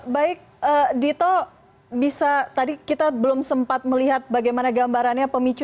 baik dito bisa tadi kita belum sempat melihat bagaimana gambarannya pemicu